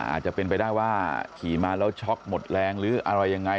อาจจะเป็นไปได้ว่าขี่มาแล้วช็อกหมดแรงหรืออะไรยังไง